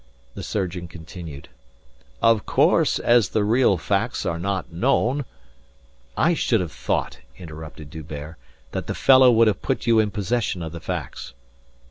The surgeon continued: "Of course as the real facts are not known " "I should have thought," interrupted D'Hubert, "that the fellow would have put you in possession of the facts."